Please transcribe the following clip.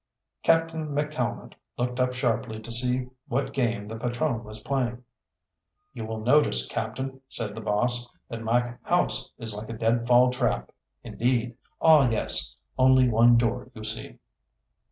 Captain McCalmont looked up sharply to see what game the patrone was playing. "You will notice, Captain," said the boss, "that my house is like a deadfall trap. Indeed ah, yes, only one door, you see."